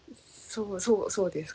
そうそうですか。